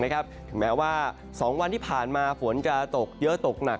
ถึงแม้ว่า๒วันที่ผ่านมาฝนจะตกเยอะตกหนัก